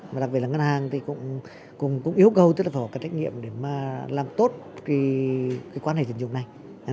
và đặc biệt là ngân hàng cũng yêu cầu tất cả các trách nhiệm để làm tốt quan hệ tín dụng này